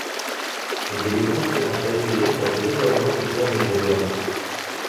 В деревушке на краю леса уже давно никто не живёт.